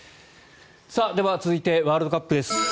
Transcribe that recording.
では続いてワールドカップです。